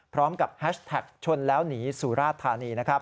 พร้อมกับแฮชแท็กชนแล้วหนีสุราธานีนะครับ